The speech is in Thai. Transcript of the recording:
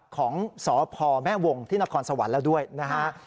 ของสพแม่วงที่นครสวรรค์แล้วด้วยนะฮะ